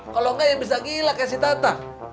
kalau gak ya bisa gila kayak si tatang